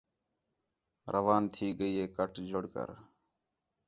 روان تھی ڳئی کٹ جڑ کر